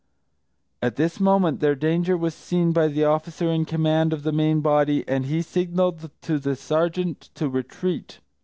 At this moment, their danger was seen by the officer in command of the main body, and he signalled to the sergeant to retreat.